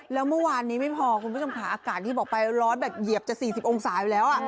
แล้วเมื่อวานนี้ไม่พอคุณผู้ชมค่ะอากาศที่บอกไปร้อนแบบเหยียบจะ๔๐องศาอยู่แล้ว